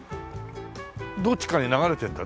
どっちかに流れてるんだ。